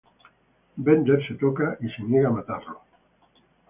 Bender se toca y se niega a matarlo.